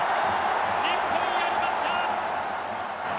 日本やりました！